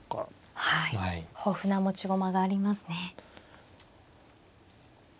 豊富な持ち駒がありますね。